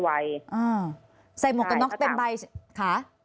ใส่หมวกกันน็อกเต็มใบค่ะ